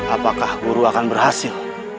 apakah guru akan berhasil